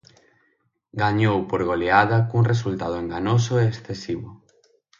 Gañou por goleada cun resultado enganoso e excesivo.